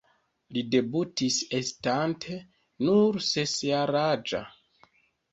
Li debutis estante nur ses-jaraĝa.